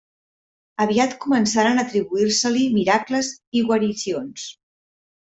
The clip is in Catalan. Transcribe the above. Aviat començaren a atribuir-se-li miracles i guaricions.